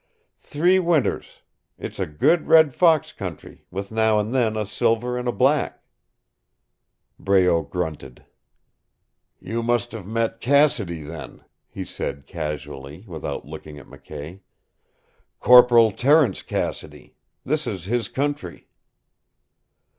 "Three winters. It's a good red fox country, with now and then a silver and a black." Breault grunted. "You must have met Cassidy, then," he said casually, without looking at McKay. "Corporal Terence Cassidy. This is his country."